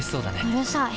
うるさい。